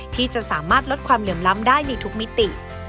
ที่จะสามารถลดความเหลื่อมล้ำได้ในทุกมิติ